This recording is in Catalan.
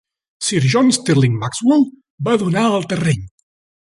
Sir John Stirling-Maxwell va donar el terreny.